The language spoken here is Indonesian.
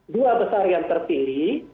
dua besar yang terpilih